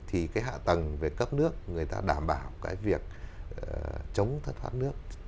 thì cái hạ tầng về cấp nước người ta đảm bảo cái việc chống thất thoát nước